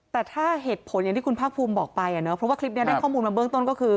แต่ถ้าเหตุผลอย่างที่คุณภาคภูมิบอกไปอ่ะเนอะเพราะว่าคลิปนี้ได้ข้อมูลมาเบื้องต้นก็คือ